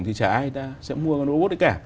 thì chả ai ta sẽ mua con robot đấy cả